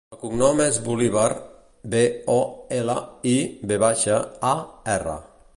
El cognom és Bolivar: be, o, ela, i, ve baixa, a, erra.